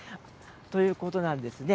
ということなんですね。